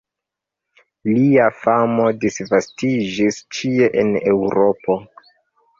Lia famo disvastiĝis ĉie en Eŭropo.